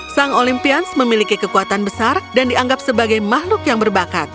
sang olympians memiliki kekuatan besar dan dianggap sebagai makhluk yang berbakat